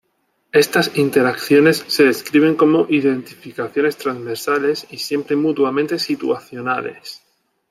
Estas interacciones se describen como "identificaciones transversales y siempre mutuamente situacionales".